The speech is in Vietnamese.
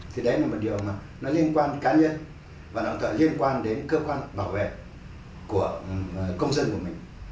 thì đấy là một điều mà nó liên quan đến cá nhân và nó có liên quan đến cơ quan bảo vệ của công dân của mình